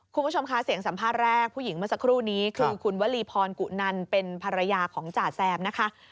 คุณผู้ชมค่ะเสียงสัมภาษณ์แรกผู้หญิงเมื่อสักครู่นี้คือคุณวลีพรกุนันเป็นภรรยาของจ่าแซมนะคะ